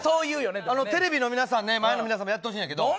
テレビの前の皆さんもやってほしいんやけど。